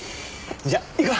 じゃあ行くわ。